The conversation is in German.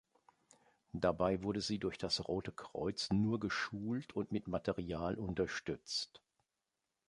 Dabei wurde sie durch das Rote Kreuz nur geschult und mit Material unterstützt.